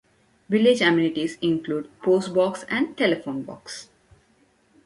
Village amenities include a post box and a telephone box.